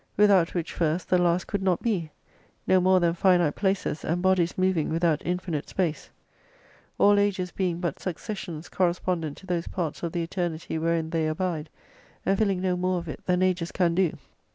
Without which first the last could not be ; no more than finite places, and bodies moving without infinite space. AU ages being but successions correspondent to those parts of the Eternity wherein they abide, and filling no more of it, than ages can do.